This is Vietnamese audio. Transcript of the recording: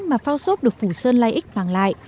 mà phao sốt được phủ sơn lai ích bằng lại